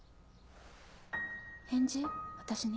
返事私に？